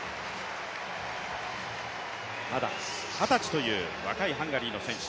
まだ二十歳という若いハンガリーの選手。